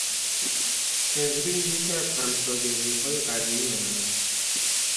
خضری یکی از همشاگردیهای قدیمی من است.